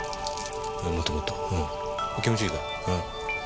もっともっとうん気持ちいいかうん。